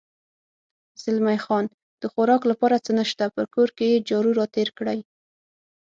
زلمی خان: د خوراک لپاره څه نشته، پر کور یې جارو را تېر کړی.